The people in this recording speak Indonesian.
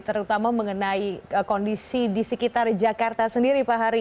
terutama mengenai kondisi di sekitar jakarta sendiri pak hari